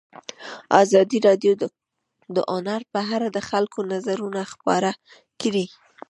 ازادي راډیو د هنر په اړه د خلکو نظرونه خپاره کړي.